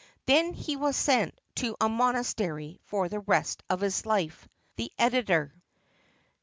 Then he was sent to a monastery for the rest of his life. The Editor.